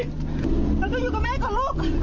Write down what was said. สาธุอยู่กับแม่ก่อนลูก